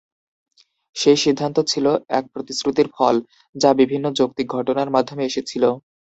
সেই সিদ্ধান্ত ছিল এক প্রতিশ্রুতির ফল, যা বিভিন্ন যৌক্তিক ঘটনার মাধ্যমে এসেছিল।